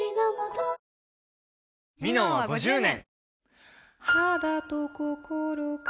「ミノン」は５０年！